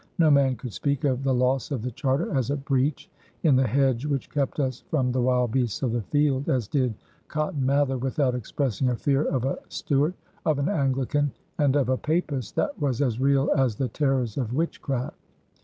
No man could speak of the loss of the charter as a breach in the "Hedge which kept us from the Wild Beasts of the Field," as did Cotton Mather, without expressing a fear of a Stuart, of an Anglican, and of a Papist that was as real as the terrors of witchcraft.